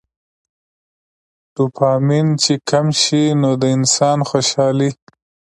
ډوپامين چې کم شي نو د انسان څوشالي